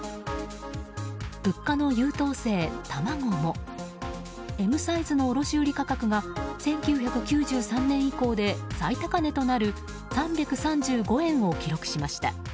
物価の優等生、卵もＭサイズの卸売価格が１９９３年以降で最高値となる３３５円を記録しました。